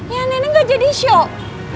ya nenek gak jadi shock